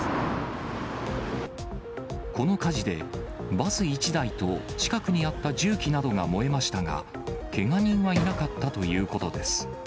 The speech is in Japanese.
この火事で、バス１台と近くにあった重機などが燃えましたが、けが人はいなかったということです。